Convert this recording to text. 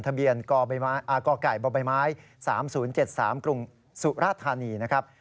ทะเบียนกไก่บใบไม้๓๐๗๓กรุงสุรธานีนะครับ